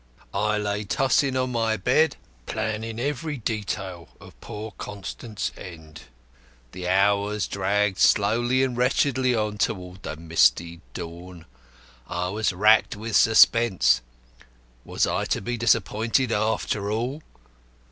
I lay tossing on my bed, planning every detail of poor Constant's end. The hours dragged slowly and wretchedly on towards the misty dawn. I was racked with suspense. Was I to be disappointed after all?